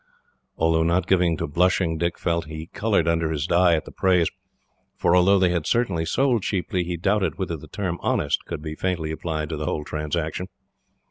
Although not given to blushing, Dick felt that he coloured under his dye at the praise; for although they had certainly sold cheaply, he doubted whether the term honest could be fairly applied to the whole transaction.